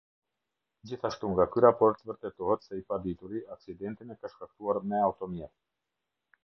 Gjithashtu nga ky raport vërtetohet se i padituri, aksidentin e ka shkaktuar me automjet.